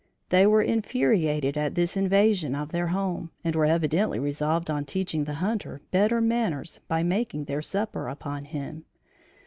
They were infuriated at this invasion of their home, and were evidently resolved on teaching the hunter better manners by making their supper upon him.